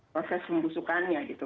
proses pembusukannya gitu